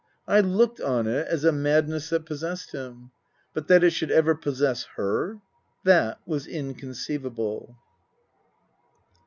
I looked on it as a madness that possessed him. But that it should ever possess her that was incon ceivable.